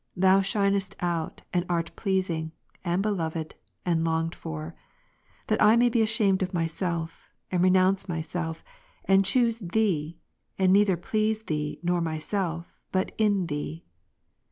Thou shinest out, and art pleasing, and beloved, and longed for ; that I may be ashamed of myself, and renounce myself, and choose Thee, and neither please Thee, nor myself, but in Thee.